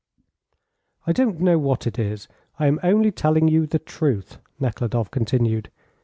"I don't know what it is; I am only telling you the truth," Nekhludoff continued.